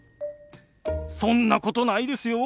そんなことないですよ。